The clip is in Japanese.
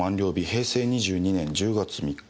平成２２年１０月３日」。